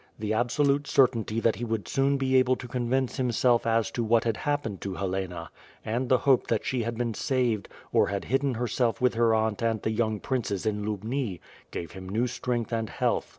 The absolute cer tainty that he would soon be able to convince himself as to what had happened to Helena, and the hope that she had been saved, or had hidden herself with her aunt and the young princes in Lubni, gave him new strength and health.